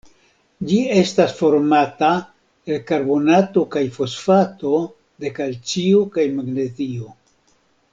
Ĝi estas formata el karbonato kaj fosfato de kalcio kaj magnezio.